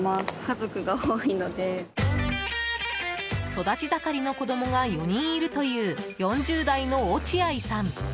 育ち盛りの子供が４人いるという４０代の落合さん。